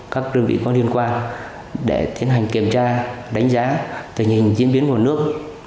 các đơn vị có liên quan để tiến hành kiểm tra đánh giá tình hình diễn biến nguồn nước